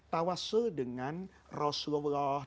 tawassul dengan rasulullah